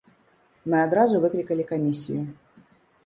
Мы адразу выклікалі камісію.